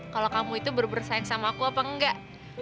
kalo kamu itu berbersaing sama aku apa enggak